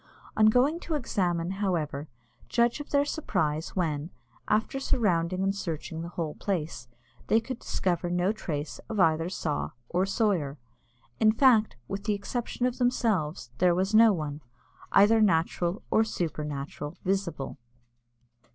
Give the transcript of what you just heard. On going to examine, however, judge of their surprise, when, after surrounding and searching the whole place, they could discover no trace of either saw or sawyer. In fact, with the exception of themselves, there was no one, either natural or supernatural, visible.